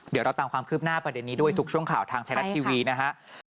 เดี๋ยวเราตามความคืบหน้าประเด็นนี้ด้วยทุกช่วงข่าวทางไทยรัฐทีวีนะครับ